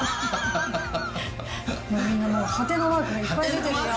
みんなもうはてなマークいっぱい出てるよ。